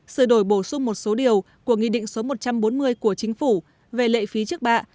sửa đổi bổ sung một số điều của nghị định số một trăm bốn mươi của chính phủ về lệ phí trước bạ